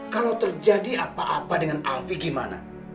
kalau terjadi apa apa dengan alfi gimana